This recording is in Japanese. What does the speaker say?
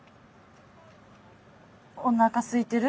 おなかすいてる？